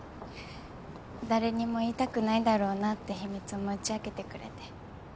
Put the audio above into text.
誰にも言いたくないだろうなって秘密も打ち明けてくれて。